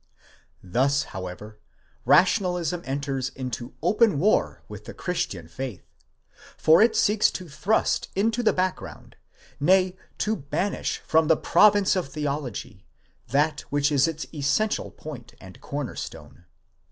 Thus, however, Rationalism enters into open war with the Christian faith, for it seeks to thrust into the background, nay, to banish from the province of theology, that which is its essential point, and corner stone.